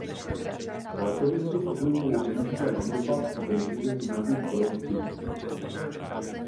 Letovisko s oblibou využíval jugoslávský president Josip Broz Tito.